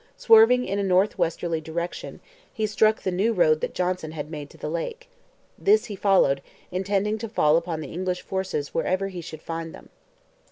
Swerving in a north westerly direction, he struck the new road that Johnson had made to the lake. This he followed, intending to fall upon the English forces wherever he should find them.